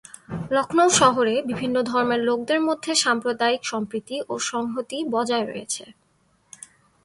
লক্ষ্ণৌ শহরে বিভিন্ন ধর্মের লোকদের মধ্যে সাম্প্রদায়িক সম্প্রীতি ও সংহতি বজায় রয়েছে।